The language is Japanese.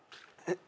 えっ？